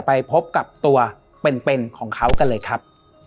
ไปพบกับตัวเป็นของเขากันเลยครับ